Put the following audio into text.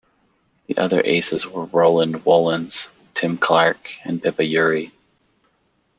The other "Aces" were Roland Wollens, Tim Clark and Pippa Urry.